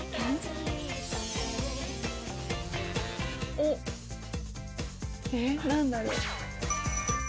おっえっ何だろう？